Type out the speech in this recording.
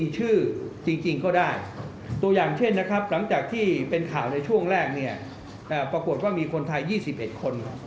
จากที่ข่าวในช่วงแรกประกวดว่ามีคนไทย๒๑คน